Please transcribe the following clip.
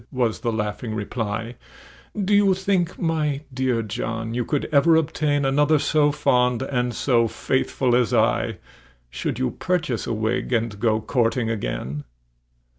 was the laughing reply; "Do you think, my dear John, you could ever obtain Another so fond and so faithful as I, Should you purchase a wig, and go courting again?"